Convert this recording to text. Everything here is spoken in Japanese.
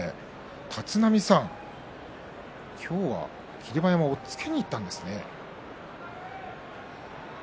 立浪さん、今日は霧馬山押っつけにいったんですね。